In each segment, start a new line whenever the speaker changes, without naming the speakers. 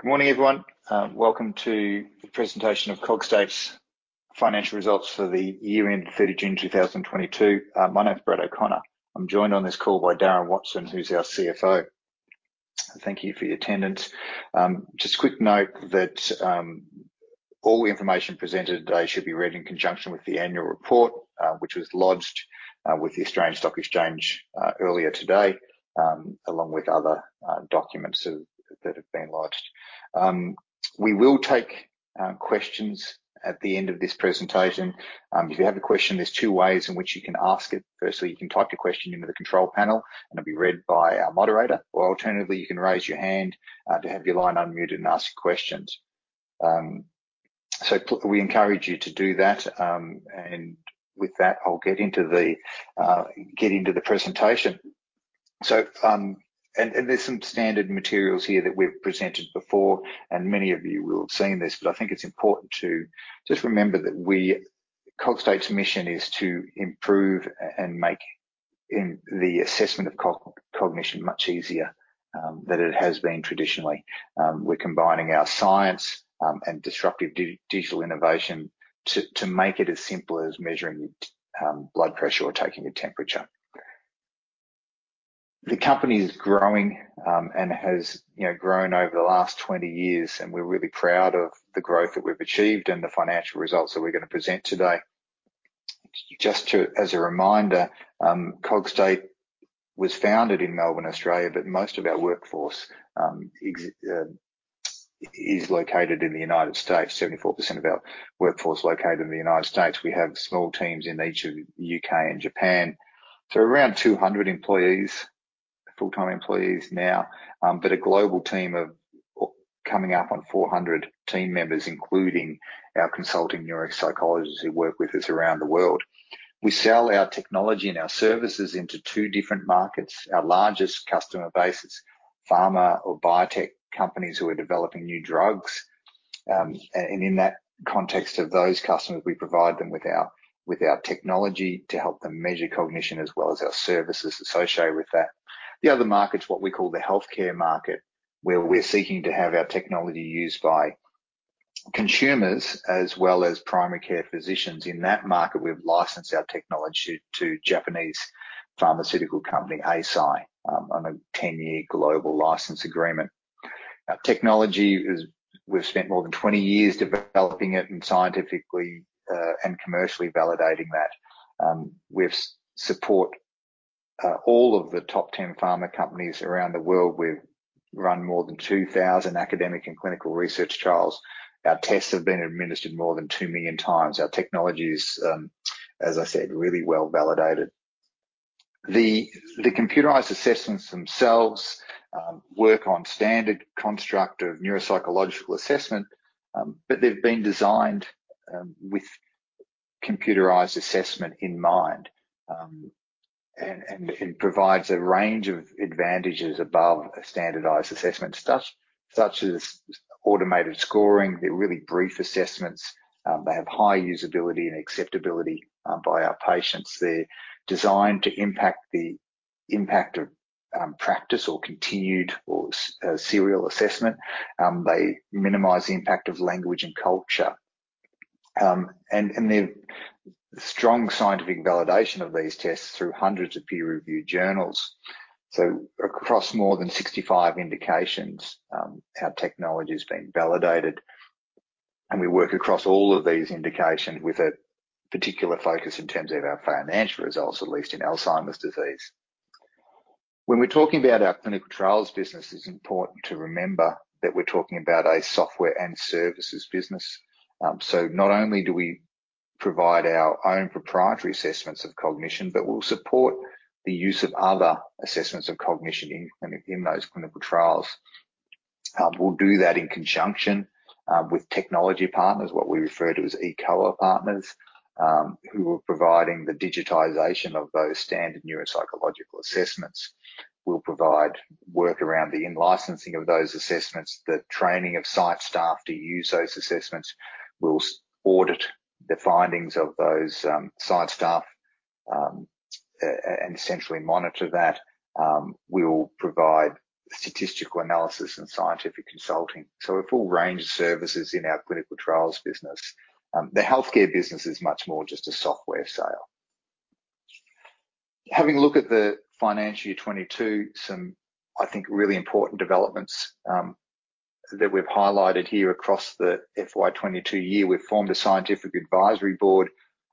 Good morning, everyone. Welcome to the presentation of Cogstate's financial results for the year end, June 3, 2022. My name is Brad O'Connor. I'm joined on this call by Darren Watson, who's our CFO. Thank you for your attendance. Just a quick note that all the information presented today should be read in conjunction with the annual report, which was lodged with the Australian Stock Exchange earlier today, along with other documents that have been lodged. We will take questions at the end of this presentation. If you have a question, there are two ways in which you can ask it. Firstly, you can type your question into the control panel, and it'll be read by our moderator, or alternatively, you can raise your hand to have your line unmuted and ask questions. We encourage you to do that, and with that, I'll get into the presentation. There's some standard materials here that we've presented before, and many of you will have seen this, but I think it's important to just remember that Cogstate's mission is to improve and make the assessment of cognition much easier than it has been traditionally. We're combining our science and disruptive digital innovation to make it as simple as measuring blood pressure or taking a temperature. The company is growing and has, you know, grown over the last 20 years, and we're really proud of the growth that we've achieved and the financial results that we're gonna present today. Just as a reminder, Cogstate was founded in Melbourne, Australia, but most of our workforce is located in the United States. 74% of our workforce is located in the United States. We have small teams in each of U.K. and Japan. Around 200 employees, full-time employees now, but a global team of coming up on 400 team members, including our consulting neuropsychologists who work with us around the world. We sell our technology and our services into two different markets. Our largest customer base is pharma or biotech companies who are developing new drugs, and in that context of those customers, we provide them with our technology to help them measure cognition as well as our services associated with that. The other market is what we call the healthcare market, where we're seeking to have our technology used by consumers as well as primary care physicians. In that market, we've licensed our technology to Japanese pharmaceutical company Eisai on a 10-year global license agreement. Our technology. We've spent more than 20 years developing it and scientifically and commercially validating that. We've supported all of the top 10 pharma companies around the world. We've run more than 2,000 academic and clinical research trials. Our tests have been administered more than two million times. Our technology is, as I said, really well-validated. The computerized assessments themselves work on standard construct of neuropsychological assessment, but they've been designed with computerized assessment in mind. It provides a range of advantages above a standardized assessment such as automated scoring. They're really brief assessments. They have high usability and acceptability by our patients. They're designed to minimize the impact of practice or continued serial assessment. They minimize the impact of language and culture and the strong scientific validation of these tests through hundreds of peer-reviewed journals. Across more than 65 indications, our technology has been validated, and we work across all of these indications with a particular focus in terms of our financial results, at least in Alzheimer's disease. When we're talking about our clinical trials business, it's important to remember that we're talking about a software and services business. Not only do we provide our own proprietary assessments of cognition, but we'll support the use of other assessments of cognition in those clinical trials. We'll do that in conjunction with technology partners, what we refer to as eCOA partners, who are providing the digitization of those standard neuropsychological assessments. We'll provide work around the in-licensing of those assessments, the training of site staff to use those assessments. We'll audit the findings of those site staff and essentially monitor that. We will provide statistical analysis and scientific consulting. A full range of services in our clinical trials business. The healthcare business is much more just a software sale. Having a look at the financial year 2022, some, I think, really important developments that we've highlighted here across the FY 2022 year. We've formed a scientific advisory board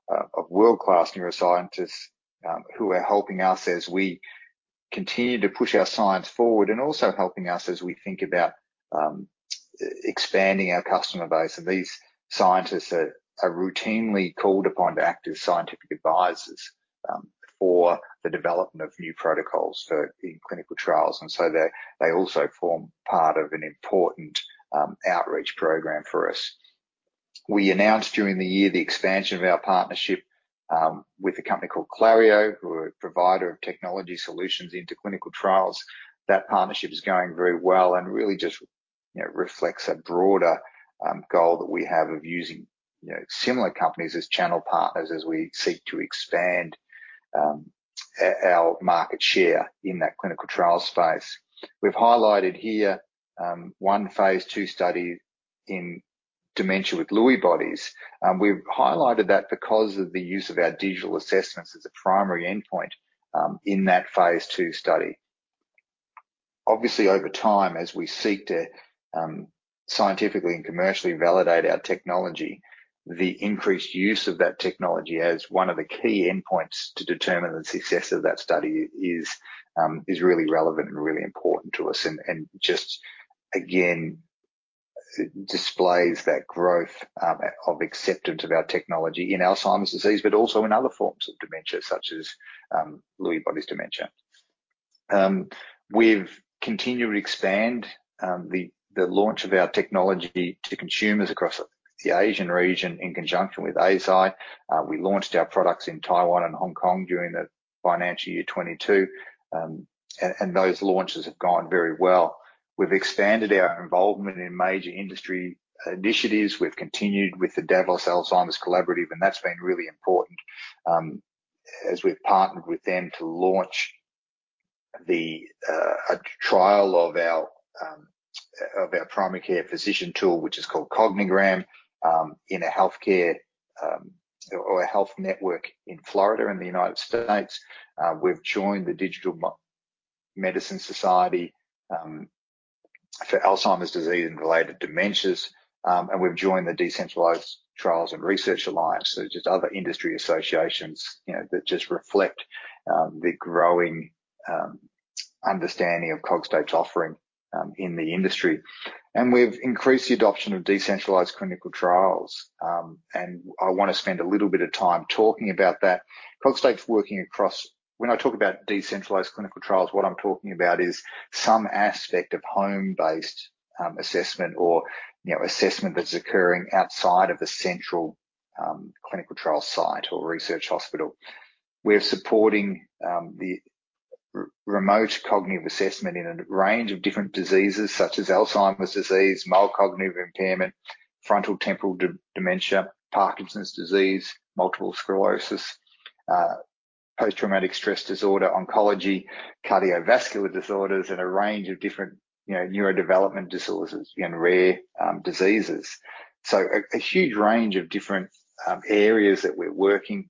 of world-class neuroscientists who are helping us as we continue to push our science forward and also helping us as we think about expanding our customer base. These scientists are routinely called upon to act as scientific advisors for the development of new protocols for clinical trials. They also form part of an important outreach program for us. We announced during the year the expansion of our partnership with a company called Clario who are a provider of technology solutions for clinical trials. That partnership is going very well and really just you know, reflects a broader goal that we have of using you know, similar companies as channel partners as we seek to expand our market share in that clinical trial space. We've highlighted here one phase II study in dementia with Lewy bodies, and we've highlighted that because of the use of our digital assessments as a primary endpoint in that phase II study. Obviously, over time, as we seek to scientifically and commercially validate our technology, the increased use of that technology as one of the key endpoints to determine the success of that study is really relevant and really important to us and just again displays that growth of acceptance of our technology in Alzheimer's disease, but also in other forms of dementia such as Lewy bodies dementia. We've continued to expand the launch of our technology to consumers across the Asian region in conjunction with Eisai. We launched our products in Taiwan and Hong Kong during the financial year 2022, and those launches have gone very well. We've expanded our involvement in major industry initiatives. We've continued with the Davos Alzheimer's Collaborative, and that's been really important, as we've partnered with them to launch a trial of our primary care physician tool, which is called Cognigram, in a healthcare or a health network in Florida in the United States. We've joined the Digital Medicine Society for Alzheimer's disease and related dementias, and we've joined the Decentralized Trials & Research Alliance. Just other industry associations, you know, that just reflect the growing understanding of Cogstate's offering in the industry. We've increased the adoption of decentralized clinical trials, and I wanna spend a little bit of time talking about that. Cogstate's working across... When I talk about decentralized clinical trials, what I'm talking about is some aspect of home-based assessment or, you know, assessment that's occurring outside of a central clinical trial site or research hospital. We're supporting the remote cognitive assessment in a range of different diseases such as Alzheimer's disease, mild cognitive impairment, frontotemporal dementia, Parkinson's disease, multiple sclerosis, post-traumatic stress disorder, oncology, cardiovascular disorders, and a range of different, you know, neurodevelopmental disorders and rare diseases. A huge range of different areas that we're working.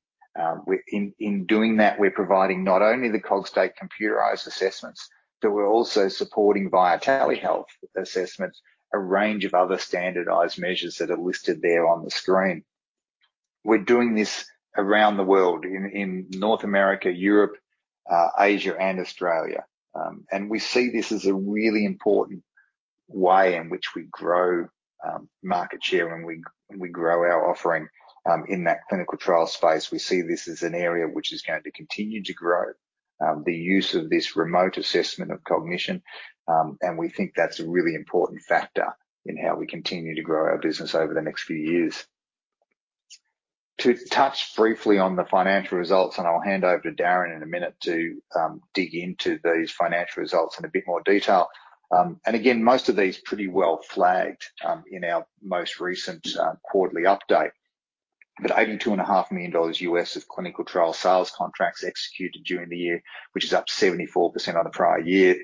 In doing that, we're providing not only the Cogstate computerized assessments, but we're also supporting via telehealth assessments, a range of other standardized measures that are listed there on the screen. We're doing this around the world in North America, Europe, Asia and Australia. We see this as a really important way in which we grow market share and we grow our offering in that clinical trial space. We see this as an area which is going to continue to grow the use of this remote assessment of cognition. We think that's a really important factor in how we continue to grow our business over the next few years. To touch briefly on the financial results, and I'll hand over to Darren in a minute to dig into these financial results in a bit more detail. Again, most of these pretty well flagged in our most recent quarterly update. $82.5 Million of clinical trial sales contracts executed during the year, which is up 74% on the prior year.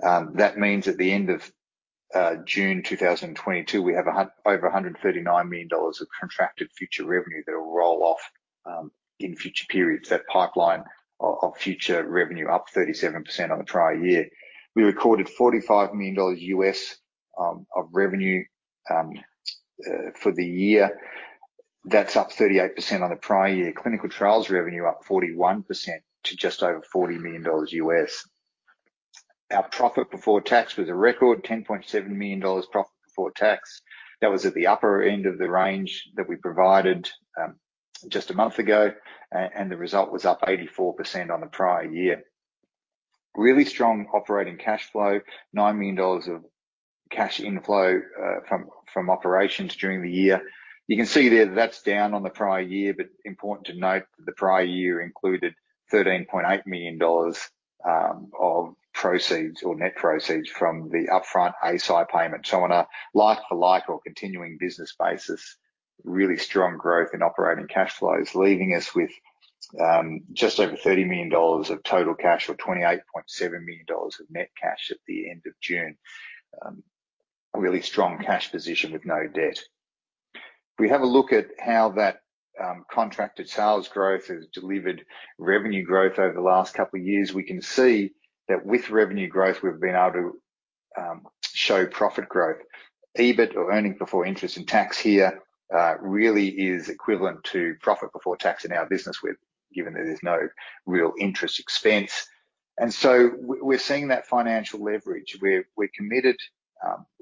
That means at the end of June 2022, we have over $139 million of contracted future revenue that will roll off in future periods. That pipeline of future revenue up 37% on the prior year. We recorded $45 million of revenue for the year. That's up 38% on the prior year. Clinical trials revenue up 41% to just over $40 million. Our profit before tax was a record $10.7 million profit before tax. That was at the upper end of the range that we provided just a month ago. The result was up 84% on the prior year. Really strong operating cash flow, $9 million of cash inflow from operations during the year. You can see there that's down on the prior year, but important to note that the prior year included $13.8 million of proceeds or net proceeds from the upfront Eisai payment. On a like for like or continuing business basis, really strong growth in operating cash flows, leaving us with just over $30 million of total cash or $28.7 million of net cash at the end of June. A really strong cash position with no debt. If we have a look at how that contracted sales growth has delivered revenue growth over the last couple of years, we can see that with revenue growth, we've been able to show profit growth. EBIT or earnings before interest and tax here really is equivalent to profit before tax in our business given that there's no real interest expense. We're seeing that financial leverage. We're committed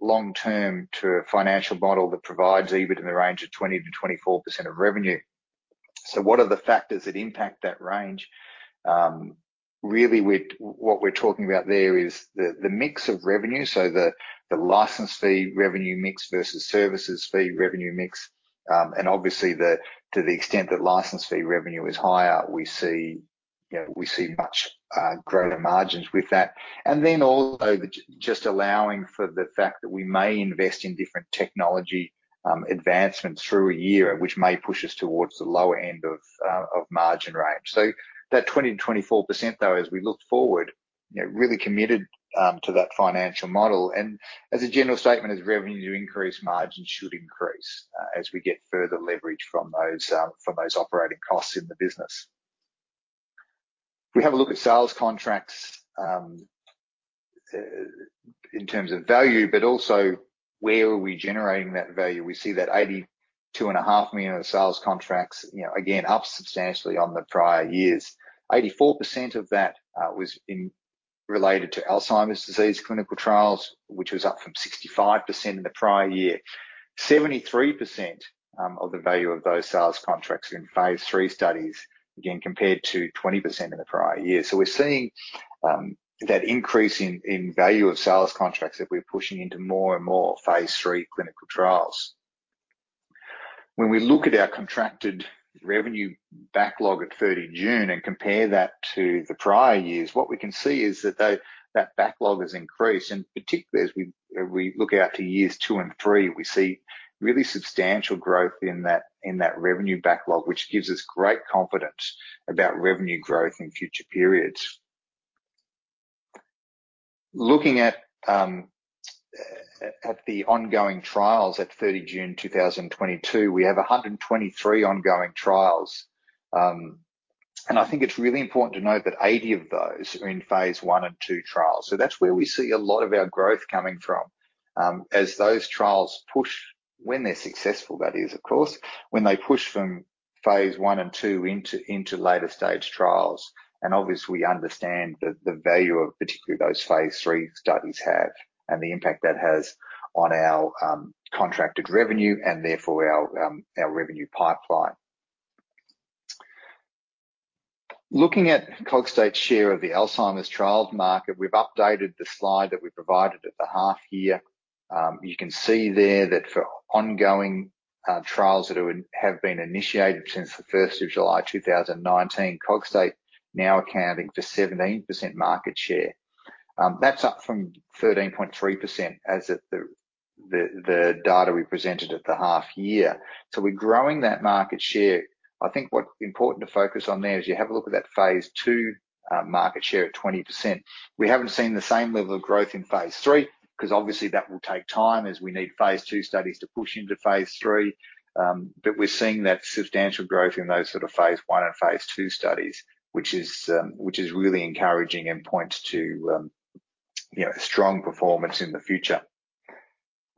long term to a financial model that provides EBIT in the range of 20%-24% of revenue. What are the factors that impact that range? Really what we're talking about there is the mix of revenue, so the license fee revenue mix versus services fee revenue mix. Obviously to the extent that license fee revenue is higher, we see much growth in margins with that. Just allowing for the fact that we may invest in different technology advancements through a year, which may push us towards the lower end of margin range. that 20%-24% though, as we look forward, you know, really committed to that financial model. As a general statement, as revenue increase, margins should increase, as we get further leverage from those from those operating costs in the business. If we have a look at sales contracts, in terms of value, but also where are we generating that value. We see that 82.5 million of sales contracts, you know, again, up substantially on the prior years. 84% of that was related to Alzheimer's disease clinical trials, which was up from 65% in the prior year. 73% of the value of those sales contracts are in phase III studies, again, compared to 20% in the prior year. We're seeing that increase in value of sales contracts that we're pushing into more and more phase III clinical trials. When we look at our contracted revenue backlog at June 30 and compare that to the prior years, what we can see is that that backlog has increased. Particularly as we look out to years two and three, we see really substantial growth in that revenue backlog, which gives us great confidence about revenue growth in future periods. Looking at the ongoing trials at June 30 2022, we have 123 ongoing trials. I think it's really important to note that 80 of those are in phase I and II trials. That's where we see a lot of our growth coming from. As those trials push, when they're successful that is, of course, when they push from phase I and II into later stage trials. Obviously, we understand the value of particularly those phase III studies have and the impact that has on our contracted revenue and therefore our revenue pipeline. Looking at Cogstate's share of the Alzheimer's trials market, we've updated the slide that we provided at the half year. You can see there that for ongoing trials that have been initiated since the first of July 2019, Cogstate now accounting for 17% market share. That's up from 13.3% as at the data we presented at the half year. We're growing that market share. I think what's important to focus on there is you have a look at that phase II market share at 20%. We haven't seen the same level of growth in phase III because obviously that will take time as we need phase II studies to push into phase III. But we're seeing that substantial growth in those sort of phase I and phase II studies, which is really encouraging and points to you know, strong performance in the future.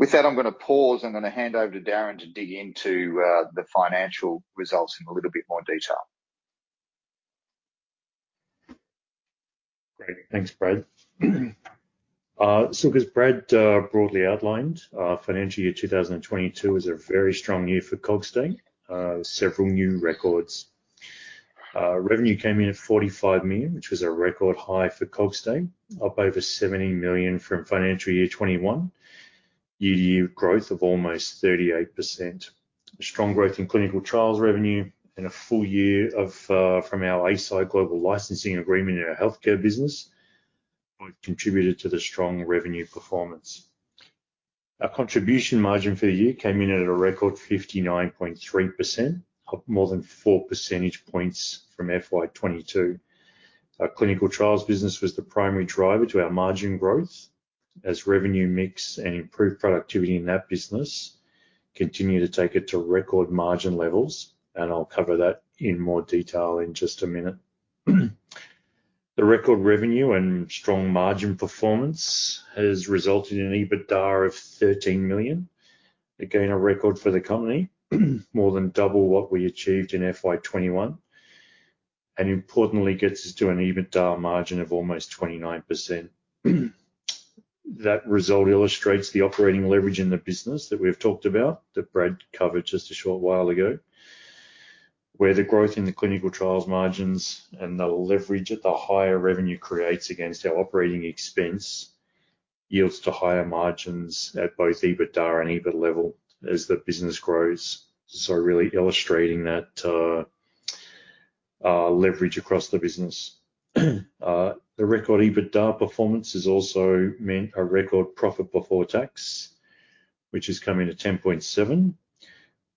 With that, I'm gonna pause. I'm gonna hand over to Darren to dig into the financial results in a little bit more detail.
Great. Thanks, Brad. As Brad broadly outlined, financial year 2022 is a very strong year for Cogstate. Several new records. Revenue came in at $45 million, which was a record high for Cogstate, up over $70 million from financial year 2021. Year-to-year growth of almost 38%. Strong growth in clinical trials revenue and a full year of revenue from our Eisai global licensing agreement in our healthcare business contributed to the strong revenue performance. Our contribution margin for the year came in at a record 59.3%, up more than four percentage points from FY 2021. Our clinical trials business was the primary driver of our margin growth as revenue mix and improved productivity in that business continue to take it to record margin levels, and I'll cover that in more detail in just a minute. The record revenue and strong margin performance has resulted in an EBITDA of $13 million. Again, a record for the company, more than double what we achieved in FY 2021, and importantly gets us to an EBITDA margin of almost 29%. That result illustrates the operating leverage in the business that we've talked about, that Brad covered just a short while ago, where the growth in the clinical trials margins and the leverage that the higher revenue creates against our operating expense yields to higher margins at both EBITDA and EBIT level as the business grows. Really illustrating that leverage across the business. The record EBITDA performance has also meant a record profit before tax, which is coming to $10.7,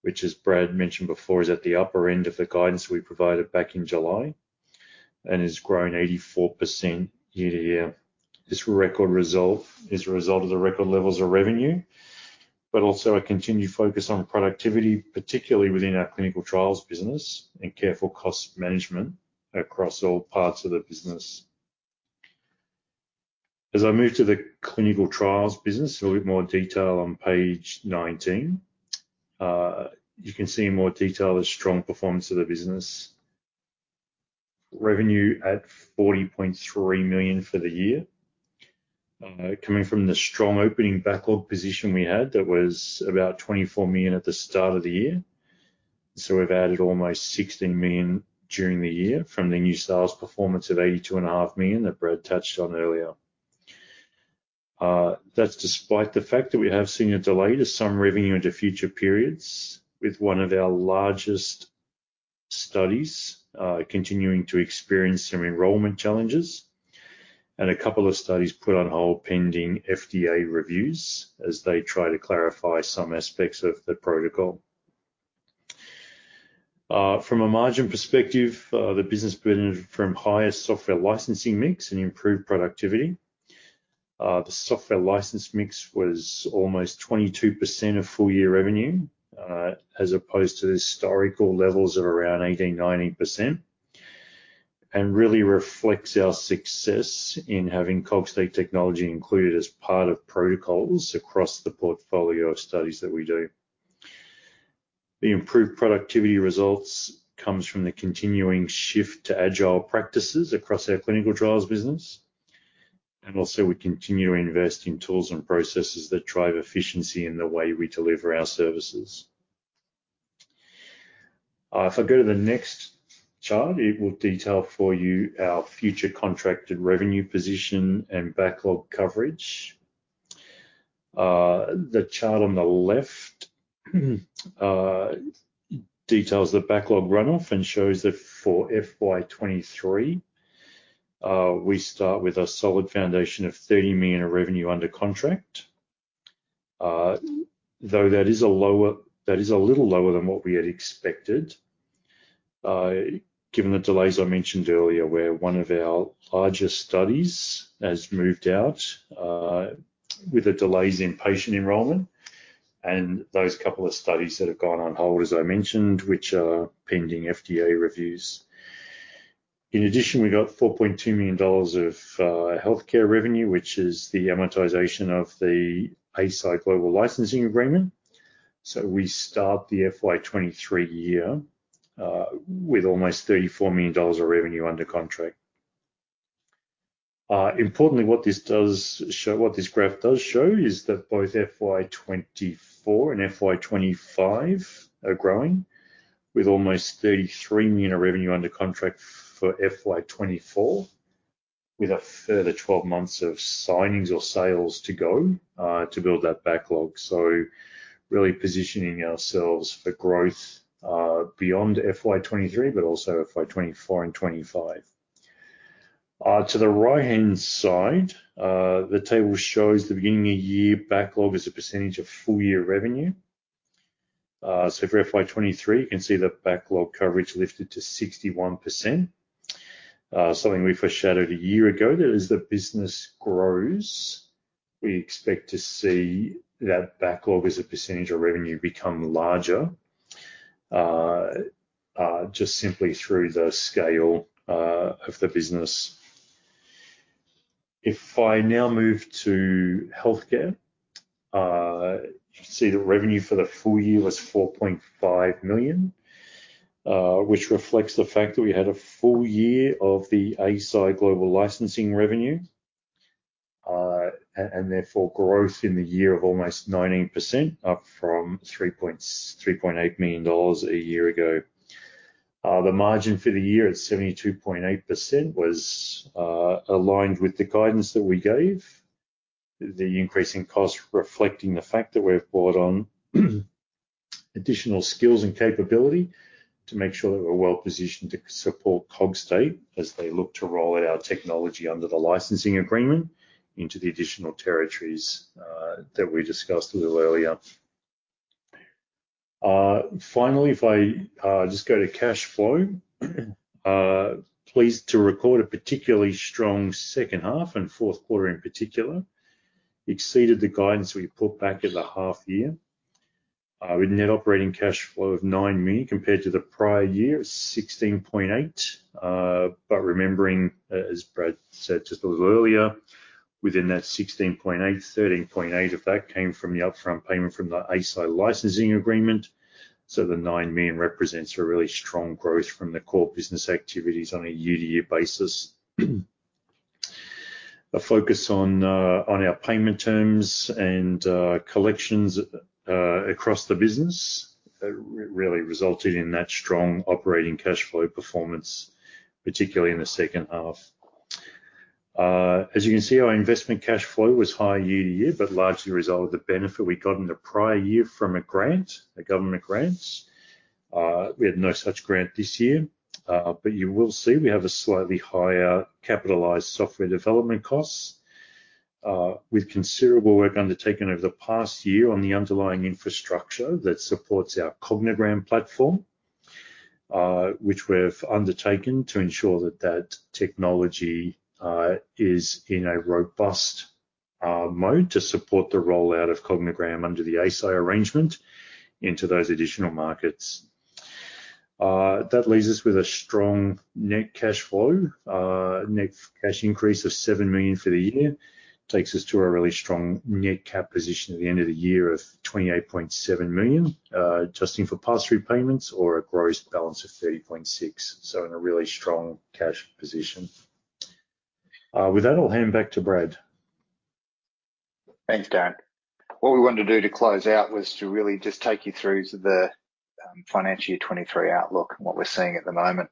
which as Brad mentioned before, is at the upper end of the guidance we provided back in July and has grown 84% year-over-year. This record result is a result of the record levels of revenue, but also a continued focus on productivity, particularly within our clinical trials business and careful cost management across all parts of the business. As I move to the clinical trials business, a little bit more detail on page 19. You can see in more detail the strong performance of the business. Revenue at $40.3 million for the year, coming from the strong opening backlog position we had that was about $24 million at the start of the year. We've added almost $16 million during the year from the new sales performance of $82.5 million that Brad touched on earlier. That's despite the fact that we have seen a delay to some revenue into future periods with one of our largest studies continuing to experience some enrollment challenges, and a couple of studies put on hold pending FDA reviews as they try to clarify some aspects of the protocol. From a margin perspective, the business benefited from higher software licensing mix and improved productivity. The software license mix was almost 22% of full year revenue, as opposed to the historical levels of around 18%, 19%, and really reflects our success in having Cogstate technology included as part of protocols across the portfolio of studies that we do. The improved productivity results comes from the continuing shift to agile practices across our clinical trials business, and also we continue to invest in tools and processes that drive efficiency in the way we deliver our services. If I go to the next chart, it will detail for you our future contracted revenue position and backlog coverage. The chart on the left details the backlog runoff and shows that for FY 2023, we start with a solid foundation of $30 million of revenue under contract. Though that is a little lower than what we had expected, given the delays I mentioned earlier, where one of our largest studies has moved out, with the delays in patient enrollment, and those couple of studies that have gone on hold, as I mentioned, which are pending FDA reviews. In addition, we got $4.2 million of healthcare revenue, which is the amortization of the Eisai global licensing agreement. We start the FY 2023 year with almost $34 million of revenue under contract. Importantly, what this graph does show is that both FY 2024 and FY 2025 are growing with almost $33 million of revenue under contract for FY 2024, with a further 12 months of signings or sales to go to build that backlog. Really positioning ourselves for growth beyond FY 2023, but also FY 2024 and 2025. To the right-hand side, the table shows the beginning of year backlog as a percentage of full year revenue. For FY 2023, you can see the backlog coverage lifted to 61%. Something we foreshadowed a year ago that as the business grows, we expect to see that backlog as a percentage of revenue become larger, just simply through the scale of the business. If I now move to healthcare, you can see the revenue for the full year was $4.5 million, which reflects the fact that we had a full year of the Eisai global licensing revenue, and therefore growth in the year of almost 19%, up from $3.8 million a year ago. The margin for the year at 72.8% was aligned with the guidance that we gave. The increase in cost reflecting the fact that we've brought on additional skills and capability to make sure that we're well-positioned to support Cogstate as they look to roll out our technology under the licensing agreement into the additional territories that we discussed a little earlier. Finally, if I just go to cash flow. Pleased to record a particularly strong second half and fourth quarter in particular, exceeded the guidance we put back at the half year. With net operating cash flow of $9 million compared to the prior year, $16.8 million. But remembering, as Brad said just a little earlier, within that $16.8 million, $13.8 million of that came from the upfront payment from the Eisai licensing agreement. The nine million represents a really strong growth from the core business activities on a year-to-year basis. A focus on our payment terms and collections across the business really resulted in that strong operating cash flow performance, particularly in the second half. As you can see, our investment cash flow was higher year to year, but largely a result of the benefit we got in the prior year from a grant, a government grant. We had no such grant this year, but you will see we have a slightly higher capitalized software development costs, with considerable work undertaken over the past year on the underlying infrastructure that supports our Cognigram platform, which we've undertaken to ensure that that technology is in a robust mode to support the rollout of Cognigram under the Eisai arrangement into those additional markets. That leaves us with a strong net cash flow. Net cash increase of $7 million for the year takes us to a really strong net cash position at the end of the year of $28.7 million, adjusting for pass-through payments or a gross balance of $30.6 million. In a really strong cash position. With that, I'll hand back to Brad.
Thanks, Darren. What we wanted to do to close out was to really just take you through the financial year 2023 outlook and what we're seeing at the moment.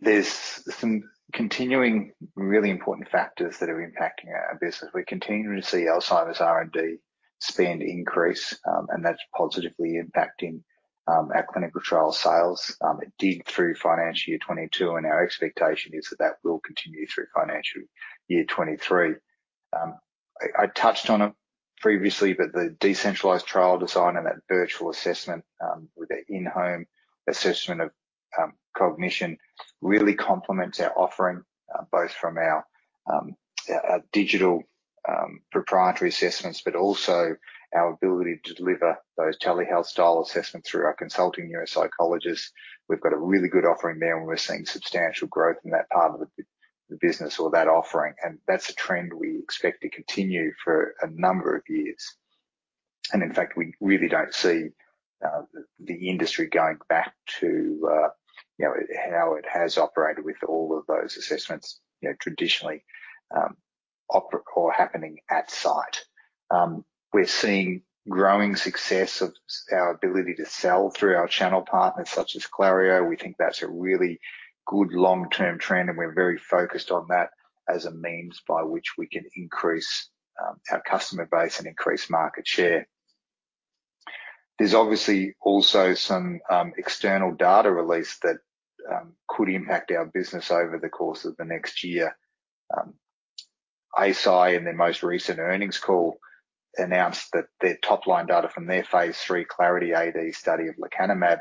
There's some continuing really important factors that are impacting our business. We continue to see Alzheimer's R&D spend increase, and that's positively impacting our clinical trial sales, it did through financial year 2022, and our expectation is that that will continue through financial year 2023. I touched on it previously, but the decentralized trial design and that virtual assessment with the in-home assessment of cognition really complements our offering, both from our digital proprietary assessments, but also our ability to deliver those telehealth style assessments through our consulting neuropsychologists. We've got a really good offering there, and we're seeing substantial growth in that part of the business or that offering, and that's a trend we expect to continue for a number of years. In fact, we really don't see the industry going back to, you know, how it has operated with all of those assessments, you know, traditionally, operating or happening at site. We're seeing growing success of our ability to sell through our channel partners such as Clario. We think that's a really good long-term trend, and we're very focused on that as a means by which we can increase our customer base and increase market share. There's obviously also some external data release that could impact our business over the course of the next year. Eisai in their most recent earnings call announced that their top-line data from their phase III Clarity AD study of lecanemab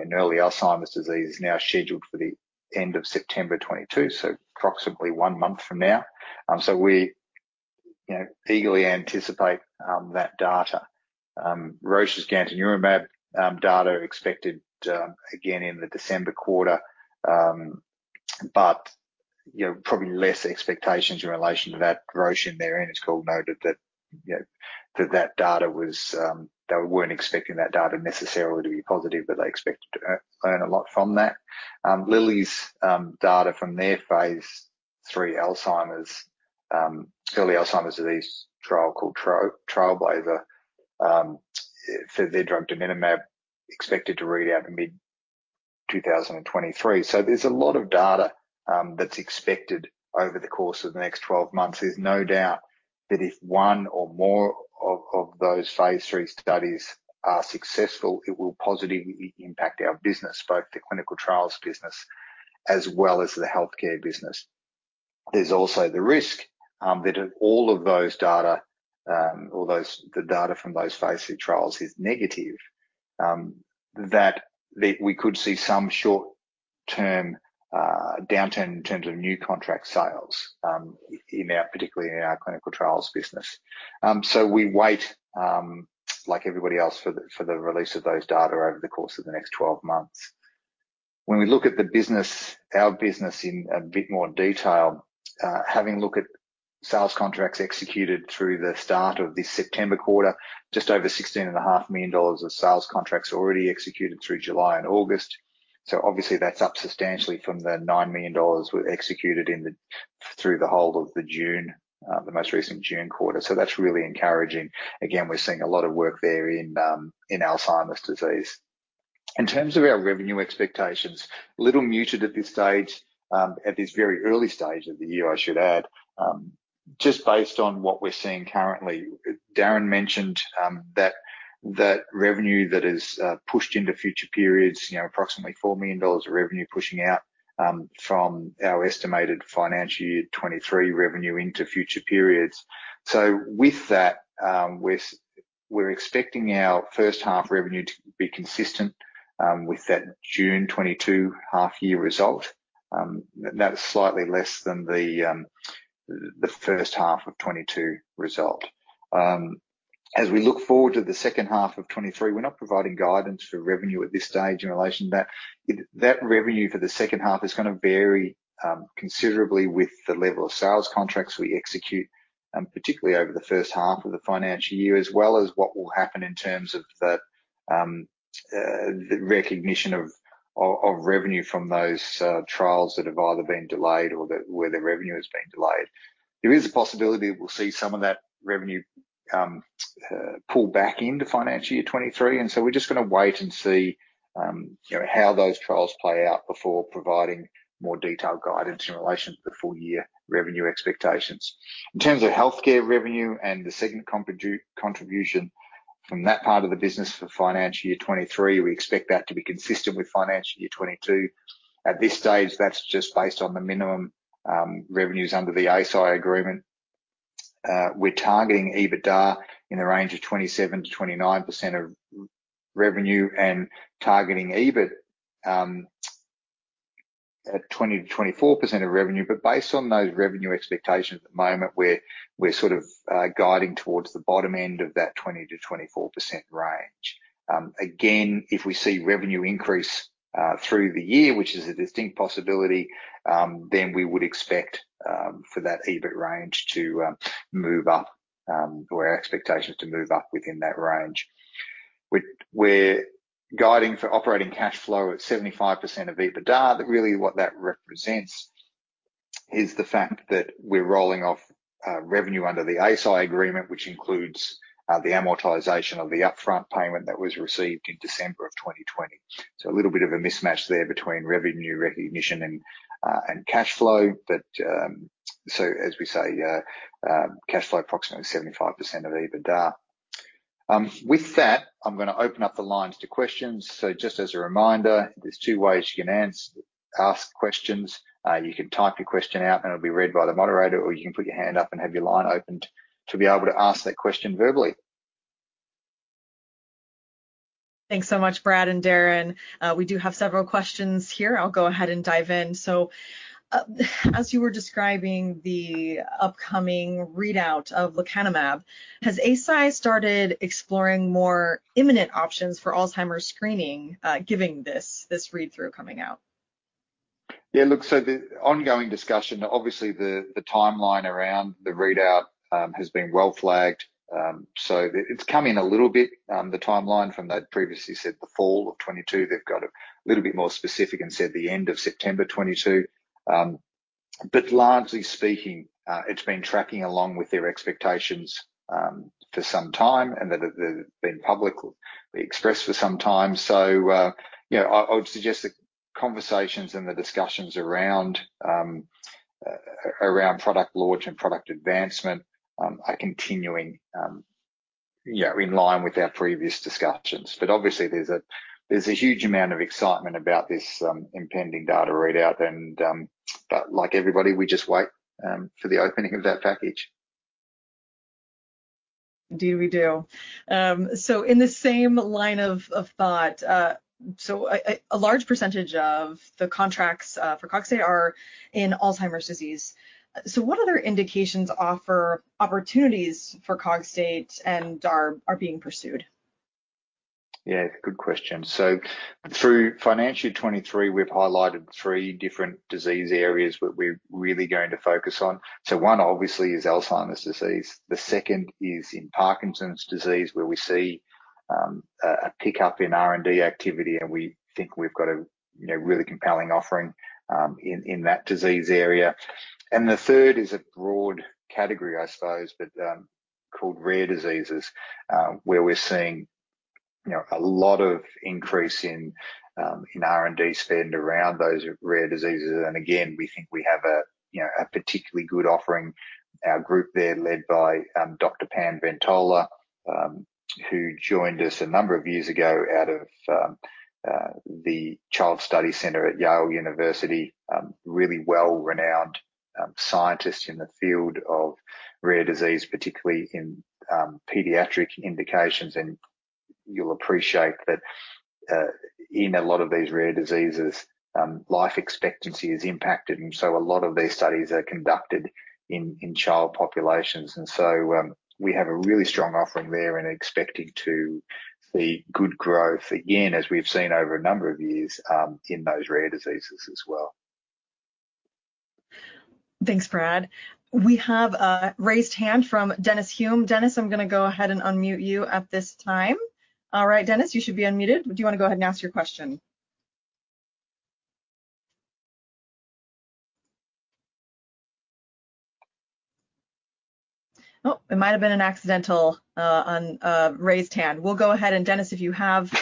in early Alzheimer's disease is now scheduled for the end of September 2022, so approximately one month from now. We, you know, eagerly anticipate that data. Roche's gantenerumab data expected again in the December quarter, but, you know, probably less expectations in relation to that. Roche in their earnings call noted that, you know, that data was they weren't expecting that data necessarily to be positive, but they expected to learn a lot from that. Lilly's data from their phase III early Alzheimer's disease trial called TRAILBLAZER for their drug donanemab expected to read out in mid-2023. There's a lot of data that's expected over the course of the next 12 months. There's no doubt that if one or more of those phase III studies are successful, it will positively impact our business, both the clinical trials business as well as the healthcare business. There's also the risk that if all of the data from those phase III trials is negative, that we could see some short-term downturn in terms of new contract sales, particularly in our clinical trials business. We wait like everybody else for the release of those data over the course of the next 12 months. When we look at the business, our business in a bit more detail, having looked at sales contracts executed through the start of this September quarter, just over $16.5 million of sales contracts already executed through July and August. Obviously that's up substantially from the $9 million we executed in the, through the whole of the June, the most recent June quarter. That's really encouraging. Again, we're seeing a lot of work there in Alzheimer's disease. In terms of our revenue expectations, a little muted at this stage, at this very early stage of the year, I should add, just based on what we're seeing currently. Darren mentioned that revenue that is pushed into future periods, you know, approximately $4 million of revenue pushing out from our estimated financial year 2023 revenue into future periods. With that, we're expecting our first half revenue to be consistent with that June 2022 half year result. That is slightly less than the first half of 2022 result. As we look forward to the second half of 2023, we're not providing guidance for revenue at this stage in relation to that. That revenue for the second half is gonna vary considerably with the level of sales contracts we execute, particularly over the first half of the financial year, as well as what will happen in terms of the recognition of revenue from those trials that have either been delayed or that where the revenue has been delayed. There is a possibility we'll see some of that revenue pull back into financial year 2023, and so we're just gonna wait and see, you know, how those trials play out before providing more detailed guidance in relation to the full year revenue expectations. In terms of healthcare revenue and the second contribution from that part of the business for financial year 2023, we expect that to be consistent with financial year 2022. At this stage, that's just based on the minimum revenues under the Eisai agreement. We're targeting EBITDA in the range of 27%-29% of revenue and targeting EBIT at 20%-24% of revenue. Based on those revenue expectations at the moment, we're sort of guiding towards the bottom end of that 20%-24% range. Again, if we see revenue increase through the year, which is a distinct possibility, then we would expect for that EBIT range to move up or our expectations to move up within that range. We're guiding for operating cash flow at 75% of EBITDA, but really what that represents is the fact that we're rolling off revenue under the Eisai agreement, which includes the amortization of the upfront payment that was received in December of 2020. A little bit of a mismatch there between revenue recognition and cash flow. As we say, cash flow approximately 75% of EBITDA. With that, I'm gonna open up the lines to questions. Just as a reminder, there's two ways you can ask questions. You can type your question out, and it'll be read by the moderator, or you can put your hand up and have your line opened to be able to ask that question verbally.
Thanks so much, Brad and Darren. We do have several questions here. I'll go ahead and dive in. As you were describing the upcoming readout of lecanemab, has Eisai started exploring more imminent options for Alzheimer's screening, given this read-through coming out?
Yeah, look, the ongoing discussion, obviously the timeline around the readout has been well flagged. It's come in a little bit, the timeline from what they'd previously said the fall of 2022. They've got a little bit more specific and said the end of September 2022. Largely speaking, it's been tracking along with their expectations for some time, and that has been publicly expressed for some time. You know, I would suggest the conversations and the discussions around product launch and product advancement are continuing, you know, in line with our previous discussions. Obviously there's a huge amount of excitement about this impending data readout and like everybody, we just wait for the opening of that package.
Indeed, we do. In the same line of thought, a large percentage of the contracts for Cogstate are in Alzheimer's disease. What other indications offer opportunities for Cogstate and are being pursued?
Yeah, good question. Through fiscal 2023, we've highlighted three different disease areas that we're really going to focus on. One obviously is Alzheimer's disease. The second is in Parkinson's disease, where we see a pickup in R&D activity, and we think we've got a you know, really compelling offering in that disease area. The third is a broad category, I suppose, but called rare diseases, where we're seeing you know, a lot of increase in R&D spend around those rare diseases. Again, we think we have a particularly good offering. Our group there led by Dr. Pam Ventola, who joined us a number of years ago out of the Yale Child Study Center at Yale University. Really well-renowned scientist in the field of rare disease, particularly in pediatric indications. You'll appreciate that, in a lot of these rare diseases, life expectancy is impacted, and so a lot of these studies are conducted in child populations. We have a really strong offering there and are expecting to see good growth again, as we've seen over a number of years, in those rare diseases as well.
Thanks, Brad. We have a raised hand from Dennis Hulme. Dennis, I'm gonna go ahead and unmute you at this time. All right, Dennis, you should be unmuted. Do you wanna go ahead and ask your question? Oh, it might have been an accidental raised hand. We'll go ahead and Dennis, if you have.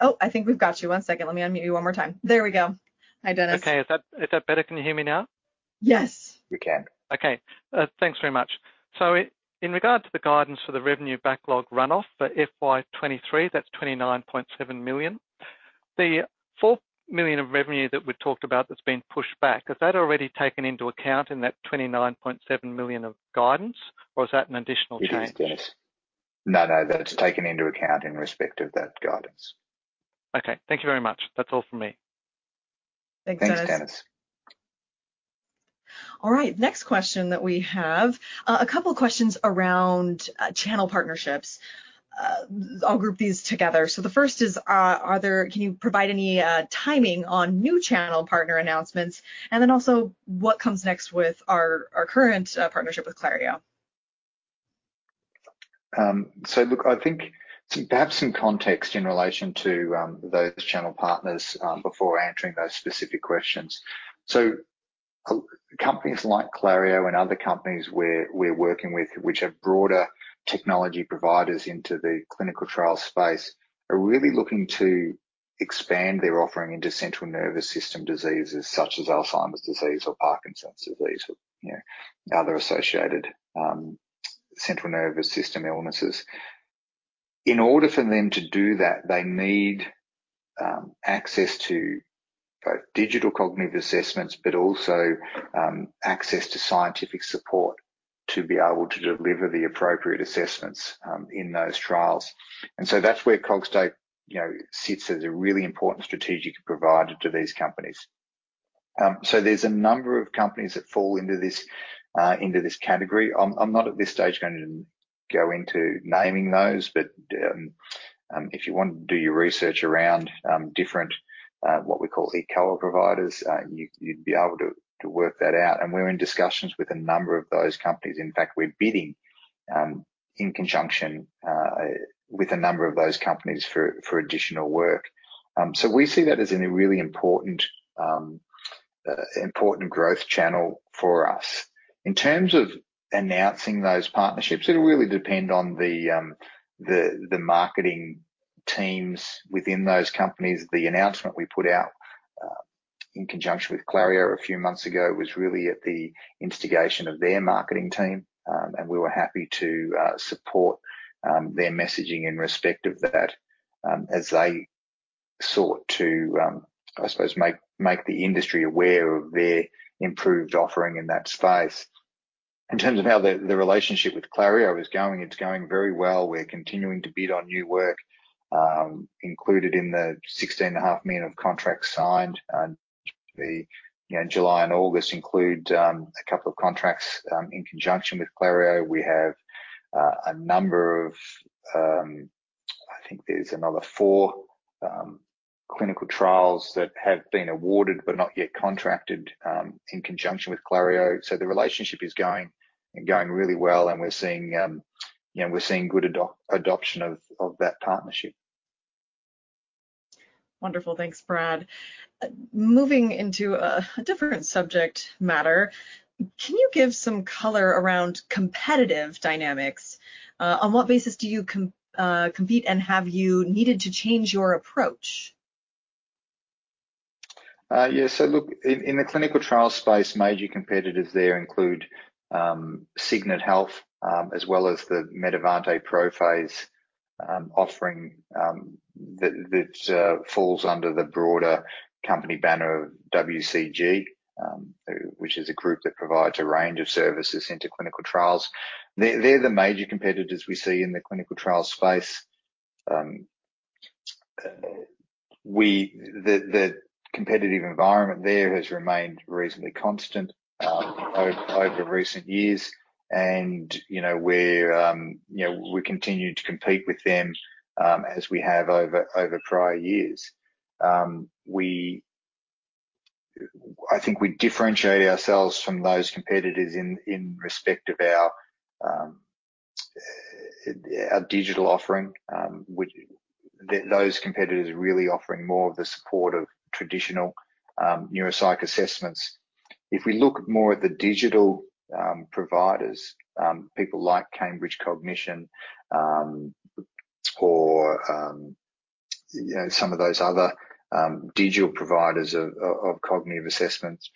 Oh, I think we've got you. One second. Let me unmute you one more time. There we go. Hi, Dennis.
Okay. Is that better? Can you hear me now?
Yes.
We can.
Okay. Thanks very much. In regard to the guidance for the revenue backlog runoff for FY 2023, that's $29.7 million. The $4 million of revenue that we've talked about that's been pushed back, is that already taken into account in that $29.7 million of guidance, or is that an additional change?
It is, Dennis. No, no, that's taken into account in respect of that guidance.
Okay. Thank you very much. That's all from me.
Thanks, Dennis.
Thanks, Dennis.
All right. Next question that we have, a couple questions around channel partnerships. I'll group these together. The first is, can you provide any timing on new channel partner announcements? And then also what comes next with our current partnership with Clario?
Look, I think to have some context in relation to those channel partners before answering those specific questions. Companies like Clario and other companies we're working with, which are broader technology providers into the clinical trial space, are really looking to expand their offering into central nervous system diseases such as Alzheimer's disease or Parkinson's disease or, you know, other associated central nervous system illnesses. In order for them to do that, they need access to both digital cognitive assessments, but also access to scientific support to be able to deliver the appropriate assessments in those trials. That's where Cogstate, you know, sits as a really important strategic provider to these companies. There's a number of companies that fall into this category. I'm not at this stage going to go into naming those, but if you want to do your research around different what we call eCOA providers, you'd be able to work that out. We're in discussions with a number of those companies. In fact, we're bidding in conjunction with a number of those companies for additional work. We see that as a really important growth channel for us. In terms of announcing those partnerships, it'll really depend on the marketing teams within those companies. The announcement we put out in conjunction with Clario a few months ago was really at the instigation of their marketing team. We were happy to support their messaging in respect of that, as they sought to, I suppose, make the industry aware of their improved offering in that space. In terms of how the relationship with Clario is going, it's going very well. We're continuing to bid on new work, included in the $16.5 million of contracts signed. The, you know, July and August include a couple of contracts in conjunction with Clario. We have a number of, I think there's another four clinical trials that have been awarded but not yet contracted in conjunction with Clario. The relationship is going and going really well, and we're seeing, you know, we're seeing good adoption of that partnership.
Wonderful. Thanks, Brad. Moving into a different subject matter, can you give some color around competitive dynamics? On what basis do you compete, and have you needed to change your approach?
Yeah. Look, in the clinical trial space, major competitors there include Signant Health, as well as the Medavante-ProPhase offering, that falls under the broader company banner of WCG, which is a group that provides a range of services into clinical trials. They're the major competitors we see in the clinical trial space. The competitive environment there has remained reasonably constant over recent years and, you know, we're, you know, we continue to compete with them, as we have over prior years. I think we differentiate ourselves from those competitors in respect of our digital offering, which those competitors are really offering more of the support of traditional neuropsych assessments. If we look more at the digital providers, people like Cambridge Cognition, or you know, some of those other digital providers of cognitive assessments,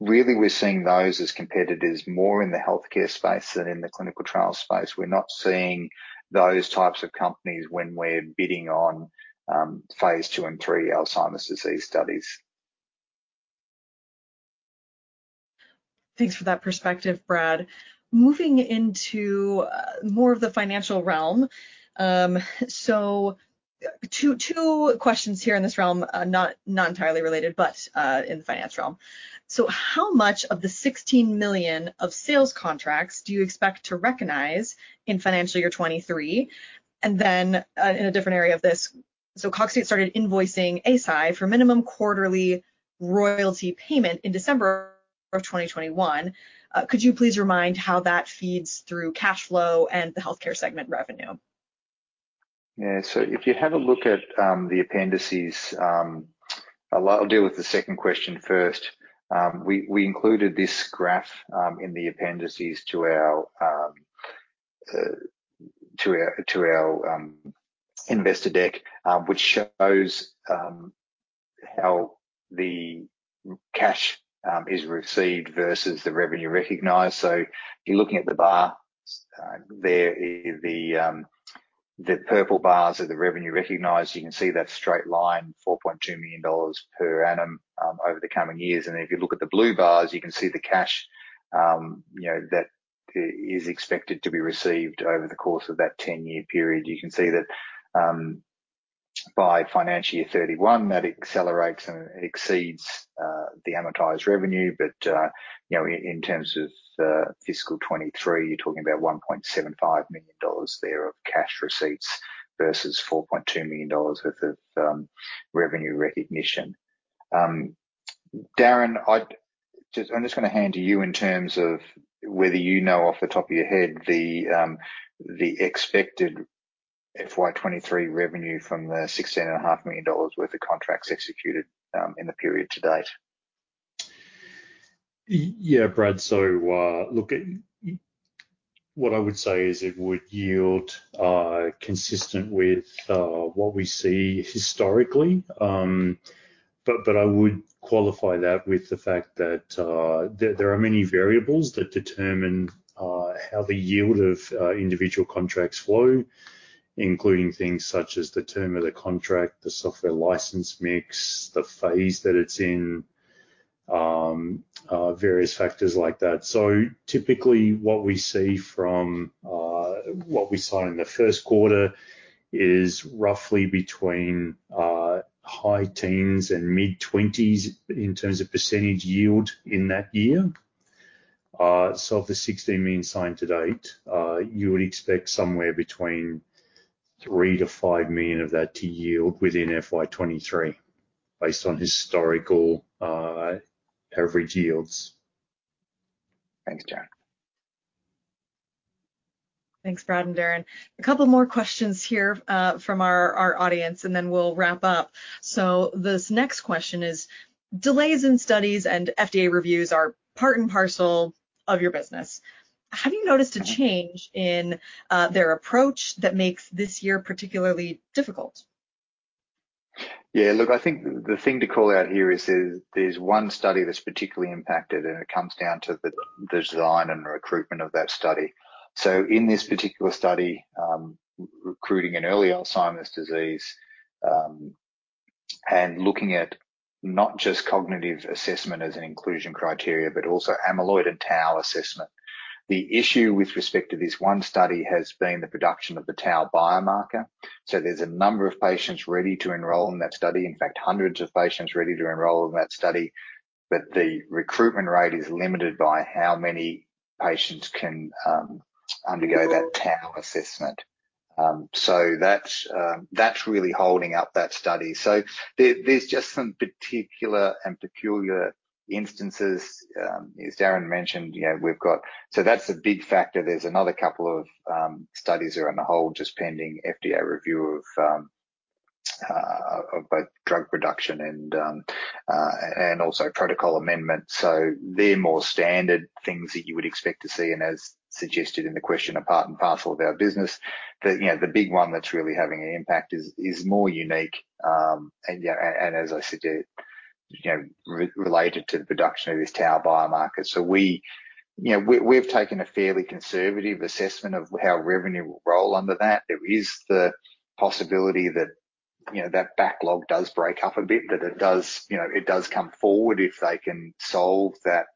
really we're seeing those as competitors more in the healthcare space than in the clinical trial space. We're not seeing those types of companies when we're bidding on phase II and III Alzheimer's disease studies.
Thanks for that perspective, Brad. Moving into more of the financial realm. Two questions here in this realm, not entirely related, but in the finance realm. How much of the $16 million of sales contracts do you expect to recognize in financial year 2023? In a different area of this, Cogstate started invoicing Eisai for minimum quarterly royalty payment in December 2021. Could you please remind how that feeds through cash flow and the healthcare segment revenue?
Yeah. If you have a look at the appendices, I'll deal with the second question first. We included this graph in the appendices to our investor deck, which shows how the cash is received versus the revenue recognized. If you're looking at the bar there, the purple bars are the revenue recognized. You can see that straight line, $4.2 million per annum over the coming years. If you look at the blue bars, you can see the cash you know that is expected to be received over the course of that 10-year period. You can see that by financial year 2031, that accelerates and exceeds the amortized revenue. In terms of fiscal 2023, you're talking about $1.75 million of cash receipts versus $4.2 million worth of revenue recognition. Darren, I'm just gonna hand to you in terms of whether you know off the top of your head the expected FY 2023 revenue from the $16.5 million worth of contracts executed in the period to date.
Yeah, Brad. Look, what I would say is it would yield consistent with what we see historically. I would qualify that with the fact that there are many variables that determine how the yield of individual contracts flow, including things such as the term of the contract, the software license mix, the phase that it's in, various factors like that. Typically, what we see from what we saw in the first quarter is roughly between high teens-mid-20s in terms of percentage yield in that year. For the $16 million signed to date, you would expect somewhere between $3 million-$5 million of that to yield within FY 2023 based on historical average yields.
Thanks, Darren.
Thanks, Brad and Darren. A couple more questions here from our audience, and then we'll wrap up. This next question is, delays in studies and FDA reviews are part and parcel of your business. Have you noticed a change in their approach that makes this year particularly difficult?
Yeah, look, I think the thing to call out here is there's one study that's particularly impacted, and it comes down to the design and recruitment of that study. In this particular study, recruiting in early Alzheimer's disease, and looking at not just cognitive assessment as an inclusion criteria, but also amyloid and tau assessment. The issue with respect to this one study has been the production of the tau biomarker. There's a number of patients ready to enroll in that study. In fact, hundreds of patients ready to enroll in that study, but the recruitment rate is limited by how many patients can undergo that tau assessment. That's really holding up that study. There's just some particular and peculiar instances, as Darren mentioned. That's a big factor. There's another couple of studies are on hold just pending FDA review of both drug production and also protocol amendments. They're more standard things that you would expect to see, and as suggested in the question, are part and parcel of our business. The big one that's really having an impact is more unique, and as I said, related to the production of this tau biomarker. We're taking a fairly conservative assessment of how revenue will roll under that. There is the possibility that backlog does break up a bit, that it does come forward if they can solve that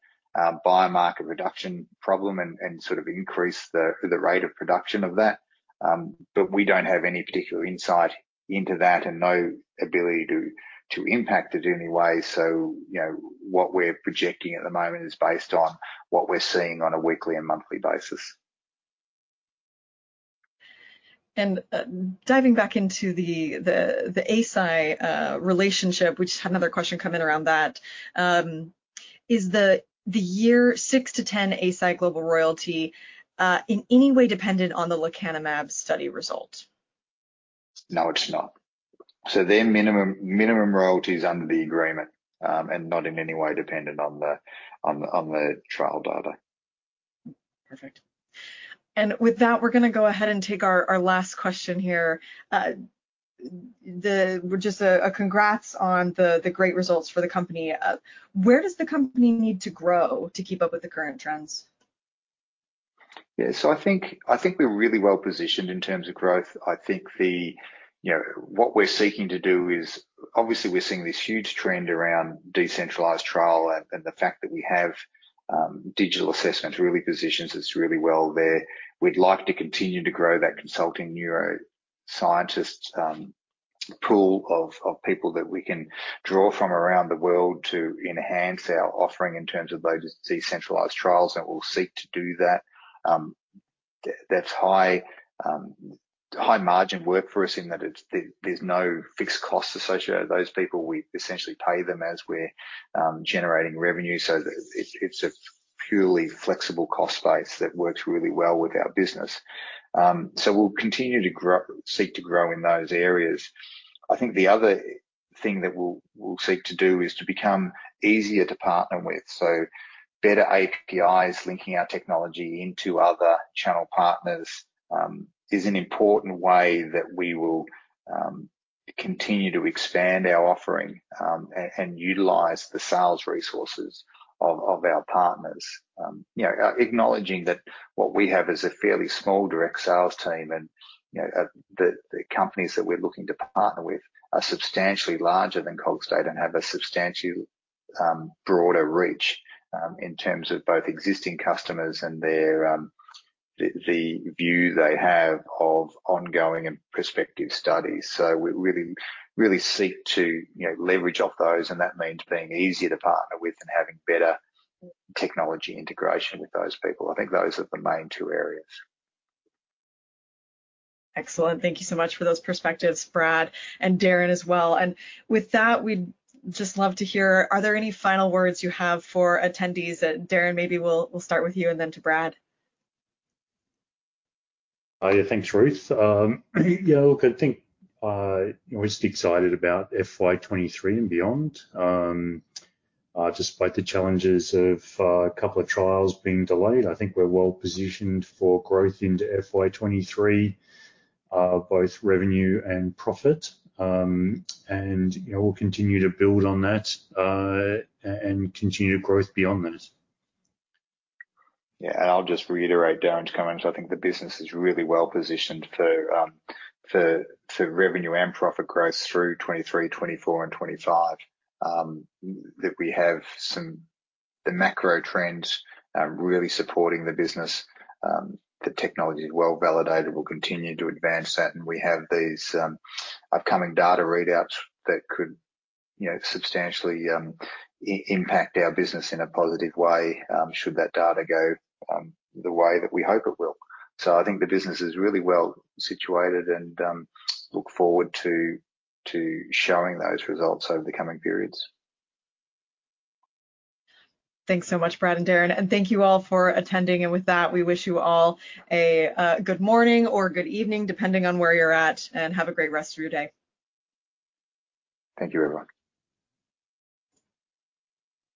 biomarker production problem and sort of increase the rate of production of that. We don't have any particular insight into that and no ability to impact it in any way. You know, what we're projecting at the moment is based on what we're seeing on a weekly and monthly basis.
Diving back into the Eisai relationship. We just had another question come in around that. Is the year six to 10 Eisai global royalty in any way dependent on the lecanemab study result?
No, it's not. Their minimum royalty is under the agreement, and not in any way dependent on the trial data.
Perfect. With that, we're gonna go ahead and take our last question here. Just a congrats on the great results for the company. Where does the company need to grow to keep up with the current trends?
Yeah. I think we're really well-positioned in terms of growth. You know, what we're seeking to do is obviously we're seeing this huge trend around decentralized trial and the fact that we have digital assessment really positions us really well there. We'd like to continue to grow that consulting neuroscientist pool of people that we can draw from around the world to enhance our offering in terms of those decentralized trials, and we'll seek to do that. That's high margin work for us in that it's. There's no fixed cost associated with those people. We essentially pay them as we're generating revenue. It's a purely flexible cost base that works really well with our business. We'll seek to grow in those areas. I think the other thing that we'll seek to do is to become easier to partner with. Better APIs linking our technology into other channel partners is an important way that we will continue to expand our offering and utilize the sales resources of our partners. You know, acknowledging that what we have is a fairly small direct sales team and you know the companies that we're looking to partner with are substantially larger than Cogstate and have a substantially broader reach in terms of both existing customers and their the view they have of ongoing and prospective studies. We really seek to you know leverage off those, and that means being easier to partner with and having better technology integration with those people. I think those are the main two areas.
Excellent. Thank you so much for those perspectives, Brad, and Darren as well. With that, we'd just love to hear, are there any final words you have for attendees? Darren, maybe we'll start with you and then to Brad.
Yeah. Thanks, Ruth. Yeah, look, I think we're just excited about FY 2023 and beyond. Despite the challenges of a couple of trials being delayed, I think we're well-positioned for growth into FY 2023, both revenue and profit. You know, we'll continue to build on that and continue growth beyond that.
Yeah. I'll just reiterate Darren's comments. I think the business is really well-positioned for revenue and profit growth through 2023, 2024 and 2025. That we have the macro trends really supporting the business. The technology is well-validated, we'll continue to advance that, and we have these upcoming data readouts that could, you know, substantially impact our business in a positive way, should that data go the way that we hope it will. I think the business is really well situated and look forward to showing those results over the coming periods.
Thanks so much, Brad and Darren. Thank you all for attending. With that, we wish you all a good morning or good evening, depending on where you're at, and have a great rest of your day.
Thank you, everyone.